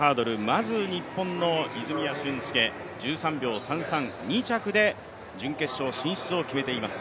まず日本の泉谷駿介１３秒３３、２着で準決勝進出を決めています。